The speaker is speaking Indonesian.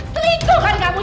selingkuh sama kamu